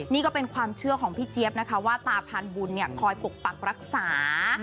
นี่ก็เป็นความเชื่อของพี่เจี๊ยบนะคะว่าตาพานบุญคอยปกปักรักษา